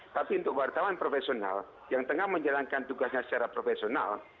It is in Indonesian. tapi untuk wartawan profesional yang tengah menjalankan tugasnya secara profesional